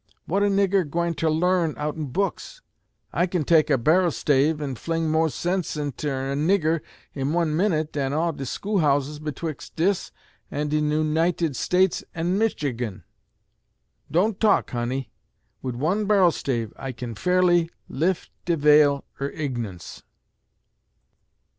What a nigger gwineter learn outen books? I kin take a bar'l stave and fling mo' sense inter a nigger in one minnit dan all de school houses betwixt dis en de New Nited States en Midgigin. Don't talk, honey! wid one bar'l stave I kin fairly lif de vail er ignunce."